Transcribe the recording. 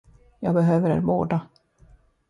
Jag behöver er båda.